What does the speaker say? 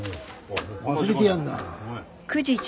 忘れてやんな。